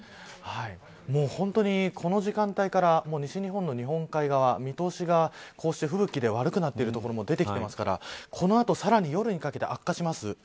本当に、この時間帯から西日本の日本海側見通しがこうして吹雪で悪くなっている所も出てきてますからこの後さらに夜にかけて悪化します。